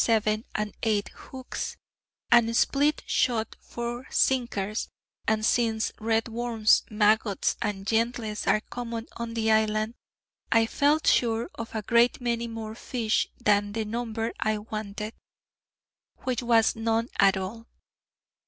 7 and 8 hooks, and split shot for sinkers; and since red worms, maggots and gentles are common on the island, I felt sure of a great many more fish than the number I wanted, which was none at all.